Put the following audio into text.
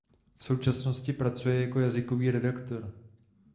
V současnosti pracuje jako jazykový redaktor.